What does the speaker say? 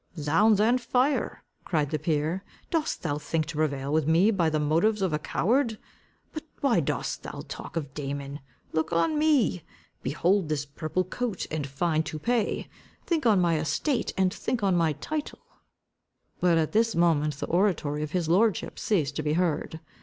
"Zounds and fire!" cried the peer, "dost thou think to prevail with me by the motives of a coward? But why dost thou talk of Damon? Look on me. Behold this purple coat, and fine toupèe. Think on my estate, and think on my title." But at this moment the oratory of his lordship ceased to be heard.